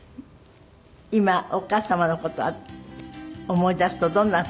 今お母様の事は思い出すとどんなふう？